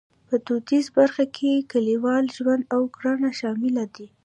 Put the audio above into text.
په دودیزه برخه کې کلیوالي ژوند او کرنه شامل دي.